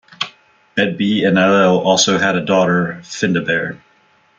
Medb and Ailill also had a daughter, Findabair.